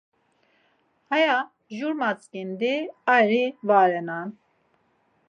Aya jur matzǩindi ari va renan.